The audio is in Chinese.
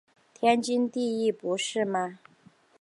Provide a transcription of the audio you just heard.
天经地义不是吗？